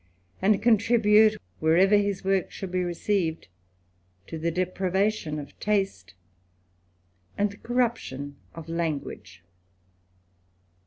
and contribute wherever his works shall be received, to tl depravation of taste and the corruption of language.